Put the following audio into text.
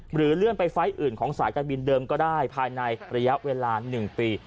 หรือเลื่อนไปไฟล์อื่นของสายการบินเดิมก็ได้ภายในระยะเวลา๑ปี